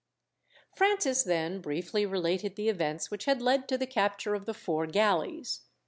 Francis then briefly related the events which had led to the capture of the four galleys.